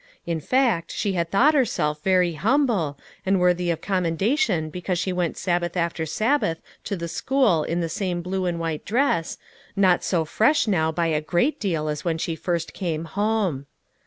In fact, she had thought herself very humble, and worthy of commendation be cause she went Sabbath after Sabbath to the school in the same blue and white dress, not so fresh now by a great deal as when she first came home.